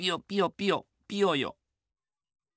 ピヨピヨ。